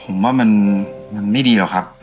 ผมว่ามันไม่ดีหรอกครับ